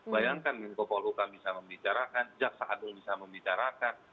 bayangkan menko polhukam bisa membicarakan jaksa agung bisa membicarakan